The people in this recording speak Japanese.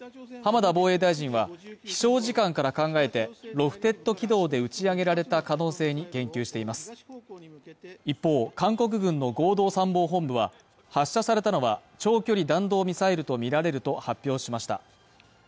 浜田防衛大臣は日照時間から考えて、ロフテッド軌道で打ち上げられた可能性に言及しています一方、韓国軍の合同参謀本部は、発射されたのは、長距離弾道ミサイルとみられると発表しました。